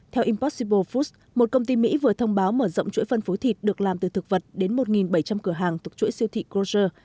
theo impossible foods một công ty mỹ vừa thông báo mở rộng chuỗi phân phối thịt được làm từ thực vật đến một bảy trăm linh cửa hàng thuộc chuỗi siêu thị grosser